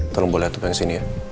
tolong beli laptop yang sini ya